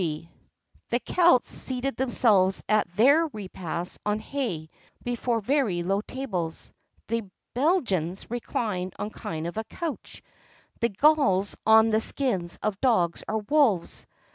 [XXXII 64] The Celts seated themselves at their repasts on hay, before very low tables;[XXXII 65] the Belgians reclined on a kind of couch;[XXXII 66] the Gauls on the skins of dogs or wolves.